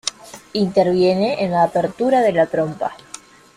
Interviene en la apertura de la trompa.